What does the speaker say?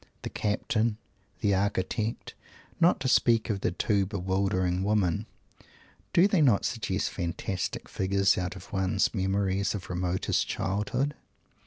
"The Captain," "the Architect" not to speak of the two bewildering women do they not suggest fantastic figures out of one's memories of remotest childhood?